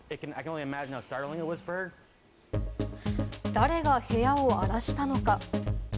誰が部屋を荒らしたのか。